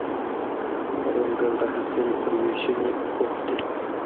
کروندګر د حاصل پر ویشنې بوخت دی